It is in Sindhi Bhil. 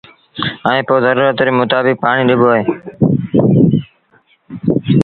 ائيٚݩ پو زرورت ري متآبڪ پآڻيٚ ڏبو اهي